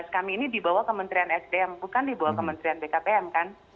kami ini dibawa ke kementerian sdm bukan dibawa ke kementerian bkpm kan